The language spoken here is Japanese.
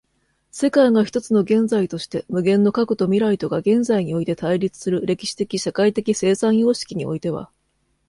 世界が一つの現在として、無限の過去と未来とが現在において対立する歴史的社会的生産様式においては、